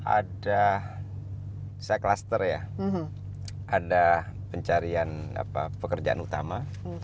ada saya cluster ya ada pencarian pekerjaan utama